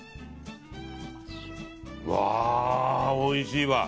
うわー、おいしいわ。